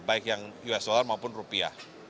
baik yang us dollar maupun rupiah